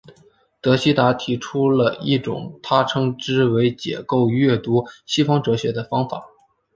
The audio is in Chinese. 德希达提出了一种他称之为解构阅读西方哲学的方法。